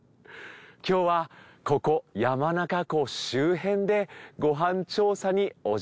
今日はここ山中湖周辺でご飯調査におじゃまします。